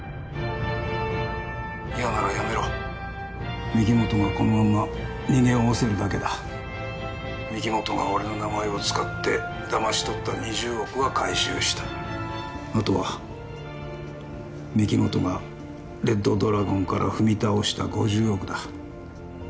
嫌ならやめろ御木本がこのまま逃げおおせるだけだ御木本が俺の名前を使ってだましとった２０億は回収したあとは御木本がレッド・ドラゴンから踏み倒した５０億だ